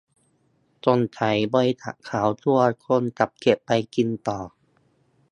สงสัยบริษัทเขากลัวคนจะเก็บไปกินต่อ